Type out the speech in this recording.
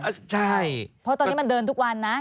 ใช่เพราะตอนนี้มันเดินทุกวันนะ